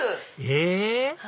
え？